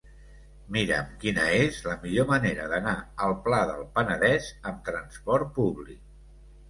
Mira'm quina és la millor manera d'anar al Pla del Penedès amb trasport públic.